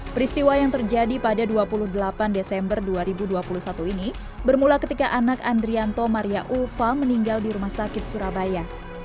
peristiwa yang terjadi pada dua puluh delapan desember dua ribu dua puluh satu ini bermula ketika anak andrianto maria ulfa meninggal di rumah sakit surabaya